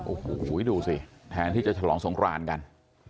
โอ้โหดูสิแทนที่จะฉลองสงครานกัน